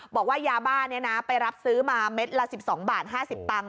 บอกว่ายาบ้านี้นะไปรับซื้อมาเม็ดละ๑๒บาท๕๐ตังค์